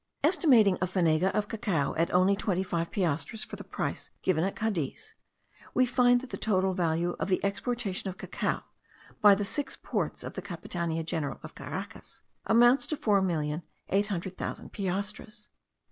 Estimating a fanega of cacao at only twenty five piastres for the price given at Cadiz, we find that the total value of the exportation of cacao, by the six ports of the Capitania General of Caracas, amounts to four million eight hundred thousand piastres.